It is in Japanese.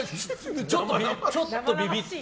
ちょっとビビって。